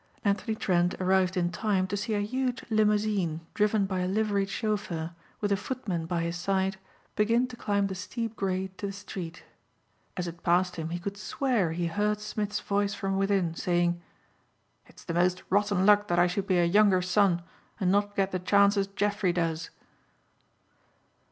Anthony Trent arrived in time to see a huge limousine driven by a liveried chauffeur with a footman by his side begin to climb the step grade to the street. As it passed him he could swear he heard Smith's voice from within, saying, "It's the most rotten luck that I should be a younger son and not get the chances Geoffrey does."